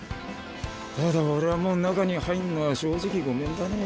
ただ俺はもう中に入んのは正直御免だね。